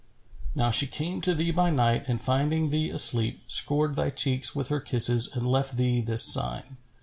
Now she came to thee by night and finding thee asleep, scored thy cheeks with her kisses and left thee this sign.